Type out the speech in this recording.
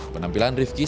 penampilan rivki segera